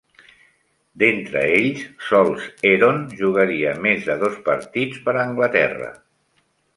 D'entre ells sols Heron jugaria més de dos partits per a Anglaterra.